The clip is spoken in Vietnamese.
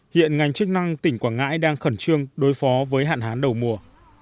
hiện ngành chức năng tỉnh quảng ngãi đang khẩn trương đối phó với hạn hán đầu mùa